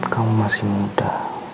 kamu masih muda